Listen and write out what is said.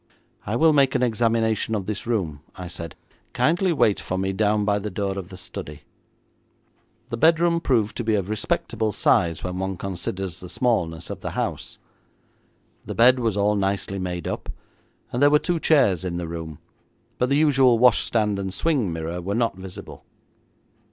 'I will make an examination of this room,' I said. 'Kindly wait for me down by the door of the study.' The bedroom proved to be of respectable size when one considers the smallness of the house. The bed was all nicely made up, and there were two chairs in the room, but the usual washstand and swing mirror were not visible.